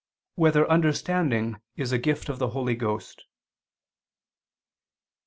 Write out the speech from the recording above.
1] Whether Understanding Is a Gift of the Holy Ghost?